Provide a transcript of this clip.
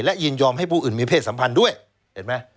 และยินยอมให้ผู้อื่นมีเพศสัมพันธ์ด้วยเห็นไหม